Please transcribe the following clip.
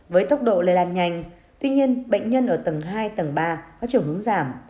với tốc độ lây lan nhanh tuy nhiên bệnh nhân ở tầng hai tầng ba có chiều hướng giảm